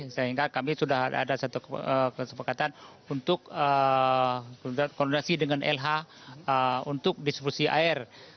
sehingga kami sudah ada satu kesepakatan untuk koordinasi dengan lh untuk distribusi air